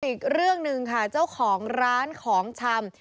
อีกเรื่องหนึ่งค่ะเจ้าของร้านของชำ